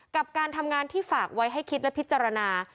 กับการทำงานที่ฝากไว้ให้คิดและพิจารณา